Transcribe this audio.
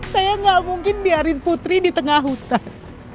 saya nggak mungkin biarin putri di tengah hutan